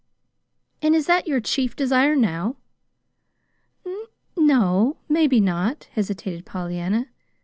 "And is that your chief desire now?" "N no, maybe not," hesitated Pollyanna.